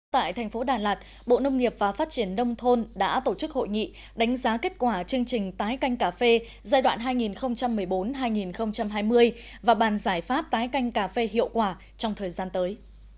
tại thành phố đà lạt bộ nông nghiệp và phát triển đông thôn đã tổ chức hội nghị đánh giá kết quả chương trình tái canh cà phê giai đoạn hai nghìn một mươi bốn hai nghìn hai mươi và bàn giải pháp tái canh cà phê hiệu quả trong thời gian tới